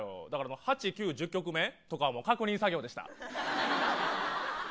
８、９、１０曲目とかは確認作業でした。